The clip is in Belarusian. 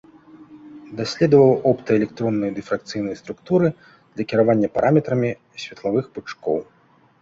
Даследаваў оптаэлектронныя дыфракцыйныя структуры для кіравання параметрамі светлавых пучкоў.